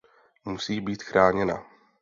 Musí být chráněna.